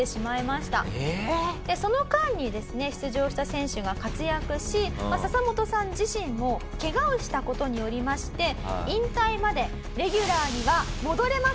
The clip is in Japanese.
その間にですね出場した選手が活躍しササモトさん自身もケガをした事によりまして引退までレギュラーには戻れませんでした。